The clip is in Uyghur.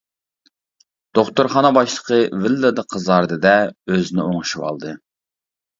دوختۇرخانا باشلىقى ۋىللىدە قىزاردى دە، ئۆزىنى ئوڭشىۋالدى.